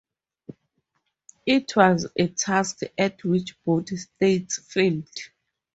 It was a task at which both states failed.